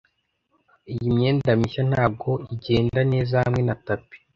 Iyi myenda mishya ntabwo igenda neza hamwe na tapi.